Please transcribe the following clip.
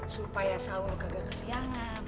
supaya saul gak kesianan